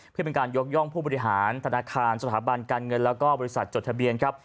เพื่อเป็นการยกย่องผู้บริหารธนาคารสถาบันการเงินแล้วก็บริษัทจดทะเบียนครับ